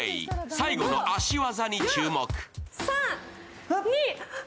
最後の足技に注目。